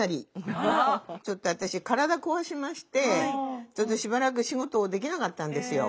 ちょっと私体壊しましてちょっとしばらく仕事をできなかったんですよ。